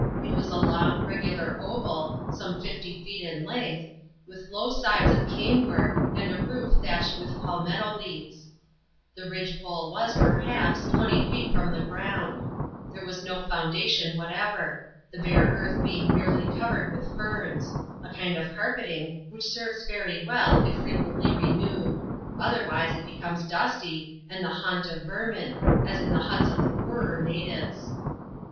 It was a long, regular oval, some fifty feet in length, with low sides of cane work, and a roof thatched with palmetto leaves. The ridge pole was, perhaps, twenty feet from the ground. There was no foundation whatever ; the bare earth being merely covered with ferns: a kind of c«x^lYa%^\sL^ serves very weU, if frequeaUy reiQewe&\ o\JasrwSafe^ \^.>aRRssiass* 286 ADVENTURES IN THE SOUTH SEAS. [chap. um?. dusty, and the haunt of vermin, as in the huts of the poorer natives.